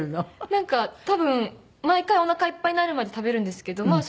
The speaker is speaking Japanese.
なんか多分毎回おなかいっぱいになるまで食べるんですけどまあ